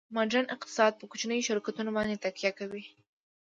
ماډرن اقتصاد په کوچنیو شرکتونو باندې تکیه کوي